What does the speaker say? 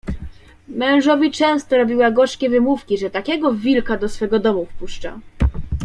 "Mężowi często robiła gorzkie wymówki, że takiego wilka do swego domu wpuszcza."